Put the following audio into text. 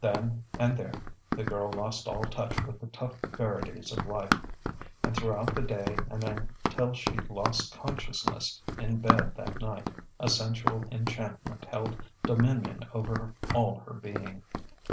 Then and there the girl lost all touch with the tough verities of life; and throughout the day and until she lost consciousness in bed that night, a sensual enchantment held dominion over all her being....